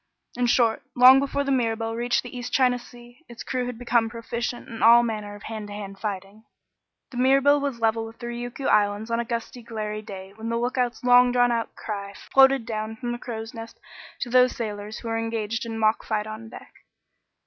In short, long before the Mirabelle reached the East China Sea, its crew had become proficient in all manner of hand to hand fighting. The Mirabelle was level with the Ryukyu Islands on a gusty, glary day when the lookout's long drawn out cry floated down from the crow's nest to those sailors who were engaged in a mock fight on deck.